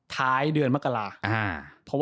ท้ายเดือนเมื่อกราคา